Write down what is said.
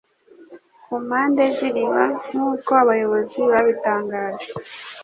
ku mpande z'iriba nk'uko abayobozi babitangaje